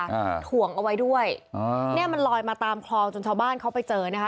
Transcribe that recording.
ถ่วงเอาไว้ด้วยอ๋อเนี้ยมันลอยมาตามคลองจนชาวบ้านเขาไปเจอนะคะ